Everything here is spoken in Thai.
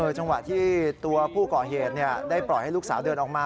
จังหวะที่ตัวผู้ก่อเหตุได้ปล่อยให้ลูกสาวเดินออกมา